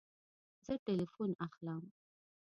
زه تلیفون اخلم